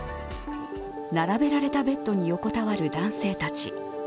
並べられたベッドに横たわる男性たち。